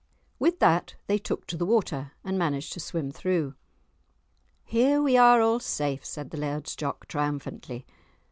With that they took to the water and managed to swim through. "Here we are all safe," said the Laird's Jock triumphantly.